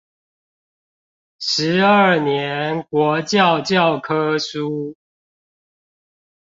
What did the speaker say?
十二年國教教科書